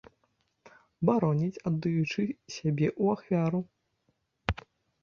Бароніць, аддаючы сябе ў ахвяру.